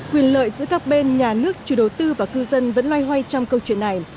quyền lợi giữa các bên nhà nước chủ đầu tư và cư dân vẫn loay hoay trong câu chuyện này